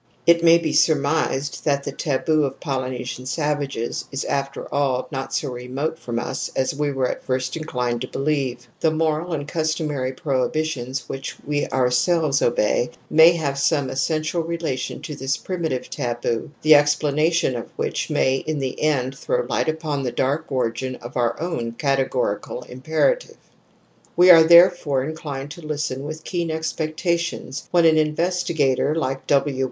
It may be surmised that the taboo of Polynesian savages is after all not so remote from us as we were at first inclined to believe ;^he moral and customary prohibitions which we ourselves obey may have some essen tial relation to this primitive taboo the explana tion of which may in the end throw light upon the dark origin of our own * categorical impera tive.' ) We are therefore inclined to listen with keen expectations when an investigator like W.